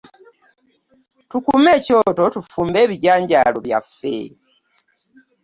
Tukume ekyoto tufumbe ebijanjaalo byaffe.